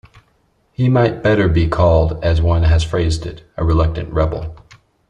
He might better be called, as one has phrased it, 'a reluctant rebel.